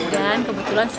dan kebetulan saya